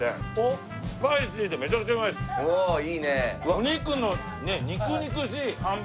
お肉の肉々しいハンバーグ。